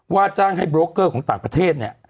ว่าจ้างให้โบรกเกอร์ของต่างประเทศเนี่ย